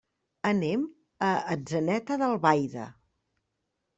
Anem a Atzeneta d'Albaida.